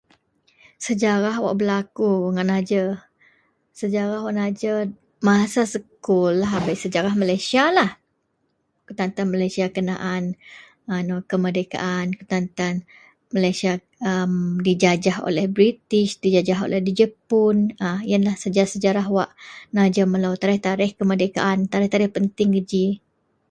Sejarah wak belaku wak najar masa sekul lahabei, sejarah malaysialah, kutan kenaan malaysia kemerdekaan, kutan tan malaysia dijajah oleh British dijajah Jepun, wak najar melo. Tarikh-tarikh kemerdekaan tarikh penting geji.